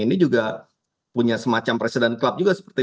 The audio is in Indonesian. ini juga punya semacam presiden club juga seperti